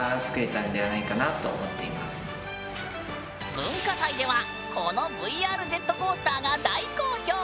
文化祭ではこのＶＲジェットコースターが大好評！